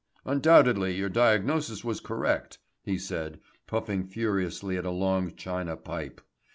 "Undoubtedly your diagnosis was correct," he said, puffing furiously at a long china pipe.